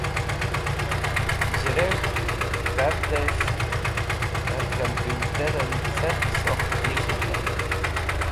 Z̃hẽrek̃hk kard̃ẽs̃h hẽr kamput̃erẽn cẽrsokht nik̃hindẽn.